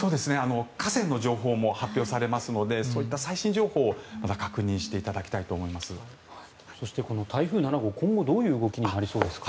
河川の情報も発表されますのでそういった最新情報を確認していただきたいとそして、この台風７号今後どういう動きになりそうですか？